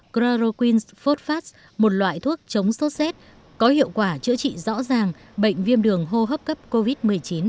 chloroquine phosphate một loại thuốc chống sốt xét có hiệu quả chữa trị rõ ràng bệnh viêm đường hô hấp cấp covid một mươi chín